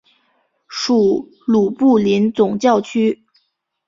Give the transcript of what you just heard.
属卢布林总教区。